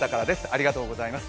ありがとうございます。